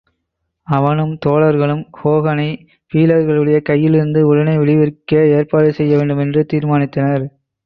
அவனும் தோழர்களும் ஹோகனைப் பீலர்களுடைய கையிலிருந்து உடனே விடுவிக்க ஏற்பாடு செய்ய வேண்டும் என்று தீர்மானித்தனர்.